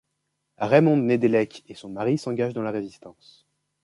Raymonde Nédélec et son mari s’engagent dans la Résistance.